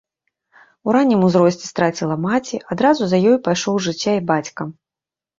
У раннім узросце страціла маці, адразу за ёй пайшоў з жыцця і бацька.